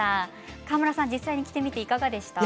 川村さん、実際に着てみていかがでしたか。